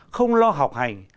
không lo học hành